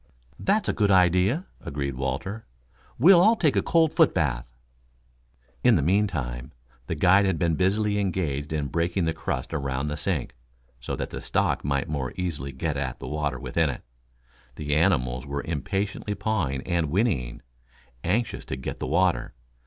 "That's a good idea," agreed Walter. "We'll all take a cold foot bath." In the meantime, the guide had been busily engaged in breaking the crust around the sink, so that the stock might more easily get at the water within it. The animals were impatiently pawing and whinnying, anxious to get the water.